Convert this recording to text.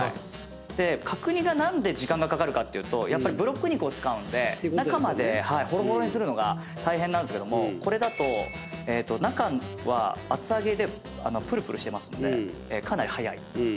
角煮が何で時間がかかるかってやっぱりブロック肉を使うんで中までホロホロにするのが大変なんですけどもこれだと中は厚揚げでぷるぷるしてますんでかなり早い。